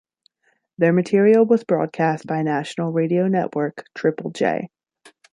Their material was broadcast by national radio network, Triple J.